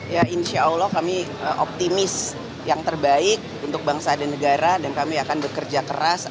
ya insya allah kami optimis yang terbaik untuk bangsa dan negara dan kami akan bekerja keras